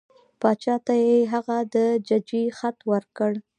باچا ته یې هغه د ججې خط ورکړ.